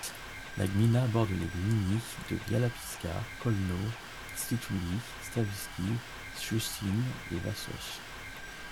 La gmina borde les gminy de Biała Piska, Kolno, Przytuły, Stawiski, Szczuczyn et Wąsosz.